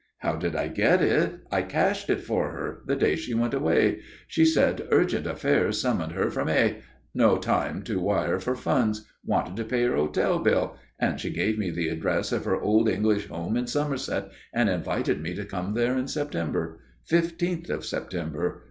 "How did I get it? I cashed it for her the day she went away. She said urgent affairs summoned her from Aix no time to wire for funds wanted to pay her hotel bill and she gave me the address of her old English home in Somerset and invited me to come there in September. Fifteenth of September.